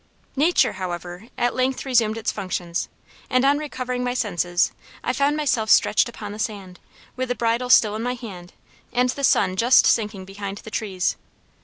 Nature, however, at length resumed its functions; and on recovering my senses, I found myself stretched upon the sand, with the bridle still in my hand, and the sun just sinking behind the trees.